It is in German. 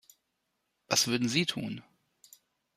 Was würden Sie tun?